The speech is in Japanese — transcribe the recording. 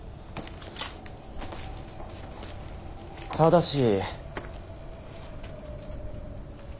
ただし。